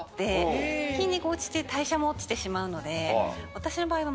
私の場合は。